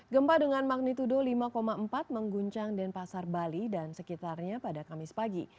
gempa dengan magnitudo lima empat mengguncang denpasar bali dan sekitarnya pada kamis pagi